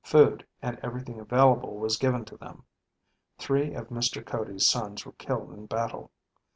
Food and everything available was given to them. Three of Mr. Cody's sons were killed in battle.